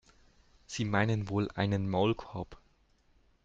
Sie meinen wohl einen Maulkorb?